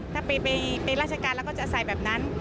ถ้าไปราชการแล้วก็จะใส่แบบนั้น